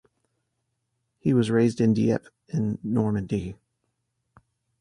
He was raised in Dieppe, in Normandy.